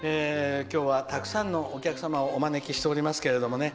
今日はたくさんのお客様をお招きしております。